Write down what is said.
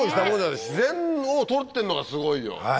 自然のを撮ってんのがすごいよ。